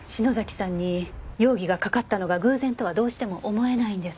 さんに容疑がかかったのが偶然とはどうしても思えないんです。